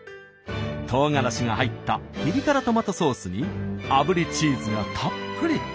唐辛子が入ったピリ辛トマトソースにあぶりチーズがたっぷり！